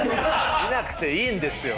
見なくていいんですよ。